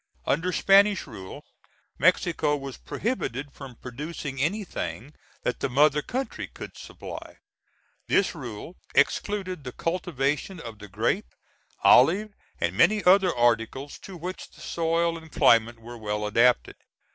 Under Spanish rule Mexico was prohibited from producing anything that the mother country could supply. This rule excluded the cultivation of the grape, olive and many other articles to which the soil and climate were well adapted.